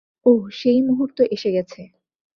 ওহ্ সেই মুহুর্ত এসে গেছে।